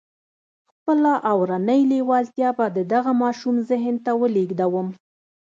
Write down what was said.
خپله اورنۍ لېوالتیا به د دغه ماشوم ذهن ته ولېږدوم.